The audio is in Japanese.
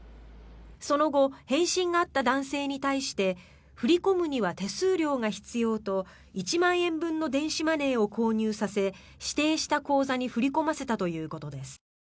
その後返信があった男性に対して振り込むには手数料が必要と１万円分の電子マネーを購入させ指定した口座に振り込ませたということです。